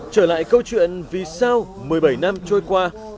trở lại câu chuyện vì sao một mươi bảy năm trôi qua